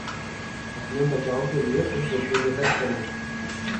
اپنے بچاؤ کے لیے خود جدوجہد کریں